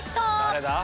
誰だ？